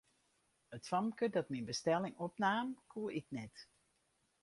It famke dat myn bestelling opnaam, koe ik net.